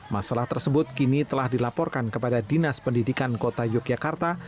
masalah tersebut kini telah dilaporkan kepada dinas pendidikan kota yogyakarta